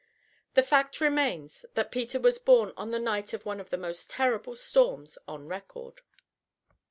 The fact remains that Peter was born on the night of one of the most terrible storms on record.